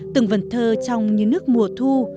từng vần thơ trong những nước mùa thu